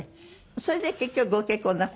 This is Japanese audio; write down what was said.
それで結局ご結婚なすったの？